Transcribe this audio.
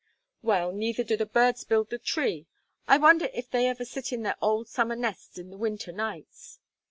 "Well, neither do the birds build the tree. I wonder if they ever sit in their old summer nests in the winter nights."